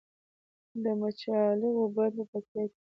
د مچالغو بند په پکتیا کې دی